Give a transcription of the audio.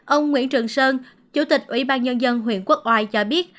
ông nguyễn trường sơn chủ tịch ủy ban nhân dân huyện quốc oai cho biết